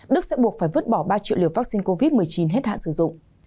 đức sẽ buộc phải vứt bỏ ba triệu liều vaccine covid một mươi chín hết hạn sử dụng